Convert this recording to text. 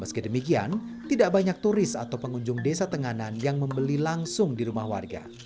meski demikian tidak banyak turis atau pengunjung desa tenganan yang membeli langsung di rumah warga